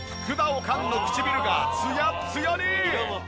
おかんの唇がツヤッツヤに！